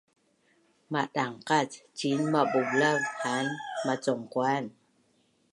madangqac ciin mabulav haan macaungquan